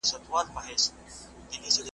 زه دي سوځلی یم او ته دي کرۍ شپه لګېږې`